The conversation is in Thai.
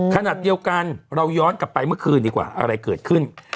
ขณะเดียวกันเราย้อนกลับไปเมื่อคืนดีกว่าอะไรเกิดขึ้น